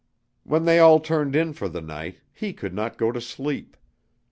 When they all turned in for the night, he could not go to sleep.